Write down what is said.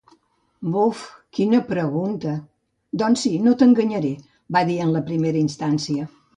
“Buf, quina pregunta… doncs sí, no t’enganyaré”, va dir en primera instància.